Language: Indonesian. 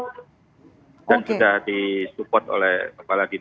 dan sudah disupport oleh kepala dinas